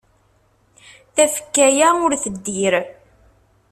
Tafekka-a ur teddir.